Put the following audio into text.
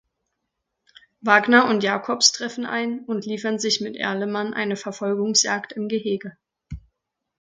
Wagner und Jacobs treffen ein und liefern sich mit Erlemann eine Verfolgungsjagd im Gehege.